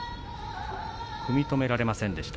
組み止められませんでした。